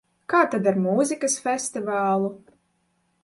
Kā tad ar mūzikas festivālu?